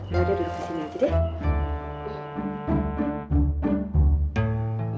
yaudah duduk kesini aja deh